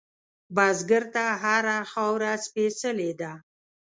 بزګر ته هره خاوره سپېڅلې ده